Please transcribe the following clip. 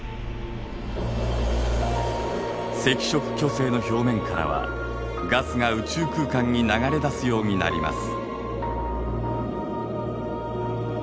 赤色巨星の表面からはガスが宇宙空間に流れ出すようになります。